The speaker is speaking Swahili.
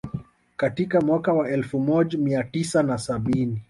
Katika mwaka wa elfu moj mia tisa na sabini